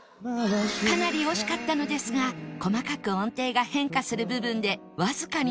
かなり惜しかったのですが細かく音程が変化する部分でわずかにズレが